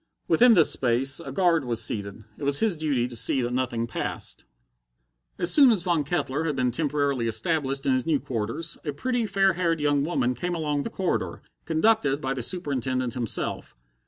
Within this space a guard was seated: it was his duty to see that nothing passed. As soon as Von Kettler had been temporarily established in his new quarters, a pretty, fair haired young woman came along the corridor, conducted by the Superintendent himself.